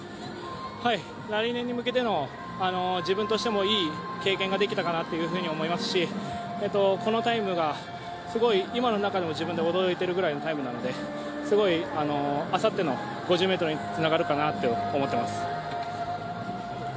来年に向けての自分としてもいい経験ができたかなというふうに思いますし、このタイムがすごい今の中でも自分でも驚いてるくらいのタイムなのですごい、あさっての５０ｍにつながるかなと思っています。